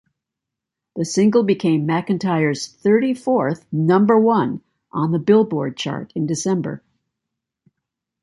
The single became McEntire's thirty-fourth number-one on the "Billboard" chart in December.